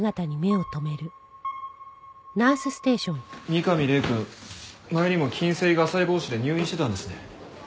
三上礼くん前にも筋線維芽細胞腫で入院してたんですね。